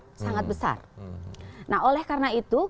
kalau boleh melakukan perubahan pilihan itu adalah hal yang sangat penting